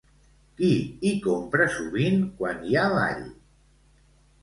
Qui hi compra sovint quan hi ha ball?